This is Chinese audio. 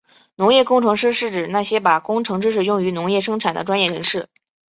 农业工程师是指那些把工程知识用于农业生产的专业人士。